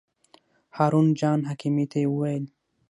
هارون جان حکیمي ته یې وویل.